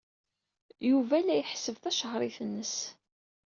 Yuba la iḥesseb tacehṛit-nnes.